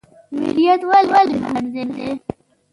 میریت ولې هنر دی؟